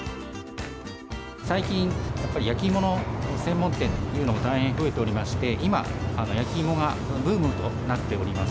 最近、やっぱり焼き芋の専門店というのが大変増えておりまして、今、焼き芋がブームとなっております。